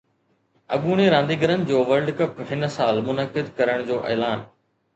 اڳوڻي رانديگرن جو ورلڊ ڪپ هن سال منعقد ڪرڻ جو اعلان